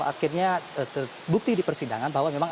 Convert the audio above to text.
akhirnya bukti di persidangan